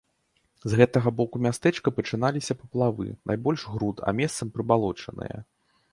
З гэтага боку мястэчка пачыналіся паплавы, найбольш груд, а месцам прыбалочаныя.